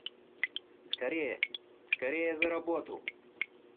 Скорее, скорее за работу!